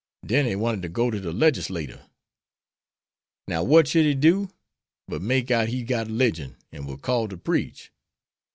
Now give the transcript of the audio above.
Den he wanted ter go to de legislatur. Now what should he do but make out he'd got 'ligion, an' war called to preach.